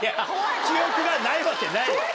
記憶がないわけない！